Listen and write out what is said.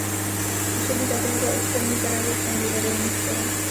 Působí také jako externí pedagog na divadelních školách.